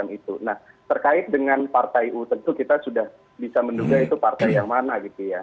nah terkait dengan partai u tentu kita sudah bisa menduga itu partai yang mana gitu ya